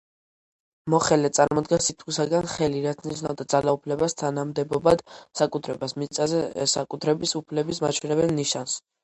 მოხელე წარმოდგა სიტყვისაგან „ხელი“, რაც ნიშნავდა ძალაუფლებას, თანამდებობად, საკუთრებას, მიწაზე საკუთრების უფლების მაჩვენებელ ნიშანს.